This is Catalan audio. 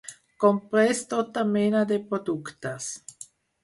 Comprés tota mena de productes.